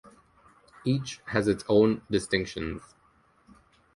Each has its own distinctions.